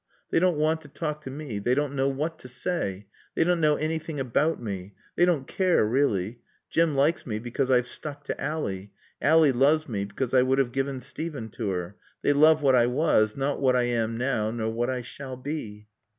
They don't want to talk to me. They don't know what to say. They don't know anything about me. They don't care really. Jim likes me because I've stuck to Ally. Ally loves me because I would have given Steven to her. They love what I was, not what I am now, nor what I shall be.